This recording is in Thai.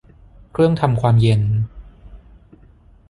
เครื่องทำความเย็น